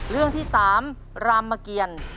เรื่องที่๓รามเกียร